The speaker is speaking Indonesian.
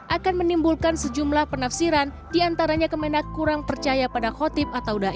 akan menimbulkan sejumlah penafsiran diantaranya kemenak kurang percaya pada khotib atau ⁇ dai